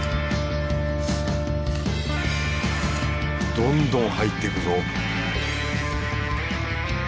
どんどん入っていくぞ